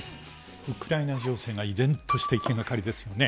ウクライナ情勢が依然として気がかりですよね。